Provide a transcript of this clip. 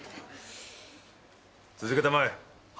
続けたまえ。